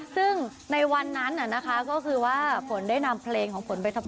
ซึ่งในวันนั้นนะคะก็คือว่าฝนได้นำเพลงของฝนไปทำ